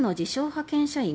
派遣社員